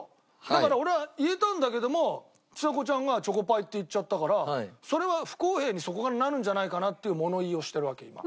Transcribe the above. だから俺は言えたんだけどもちさ子ちゃんが「チョコパイ」って言っちゃったからそれは不公平にそこからなるんじゃないかなっていう物言いをしてるわけ今。